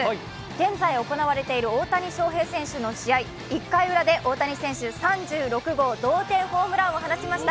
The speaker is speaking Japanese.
現在行われている大谷選手の試合、１回ウラで大谷翔平選手、３６号同点ホームランを放ちました。